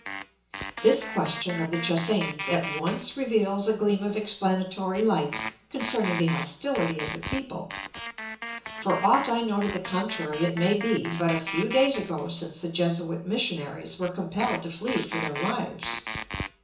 This question of the Che hsein's at once reveals a gleam of explanatory light concerning the hostility of the people. For aught I know to the contrary it may be but a few days ago since the Jesuit missionaries were compelled to flee for their lives.